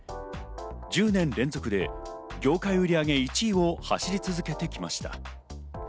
１０年連続で業界売り上げ１位を走り続けてきました。